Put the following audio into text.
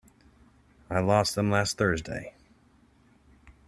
I lost them last Thursday.